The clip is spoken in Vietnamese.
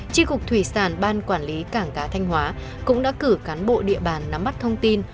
tri cục thủy sản ban quản lý cảng cá thanh hóa cũng đã cử cán bộ địa bàn nắm bắt thông tin